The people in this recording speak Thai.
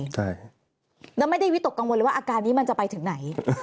แล้วไม่ได้วิตกกังวลเลยว่าอาการนี้มันจะไปถึงไหน